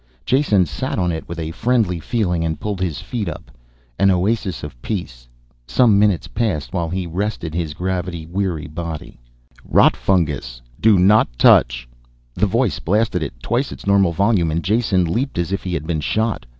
Jason sat on it with a friendly feeling and pulled his feet up. An oasis of peace. Some minutes passed while he rested his gravity weary body. "ROTFUNGUS DO NOT TOUCH!" The voice blasted at twice its normal volume and Jason leaped as if he had been shot.